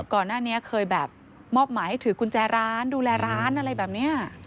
ก่อนหน้านี้เคยแบบมอบหมายให้ถือกุญแจร้านดูแลร้านอะไรแบบนี้